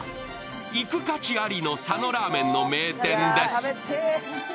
行く価値ありの佐野ラーメンの名店です。